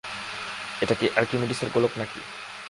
এটা কি আর্কিমিডিসের গোলক নাকি?